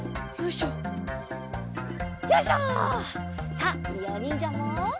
さあいおにんじゃも。